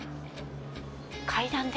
階段で？